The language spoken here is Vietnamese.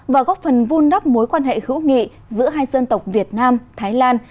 và góp phần vun đắp mối quan hệ hữu nghị giữa hai dân tộc việt nam thái lan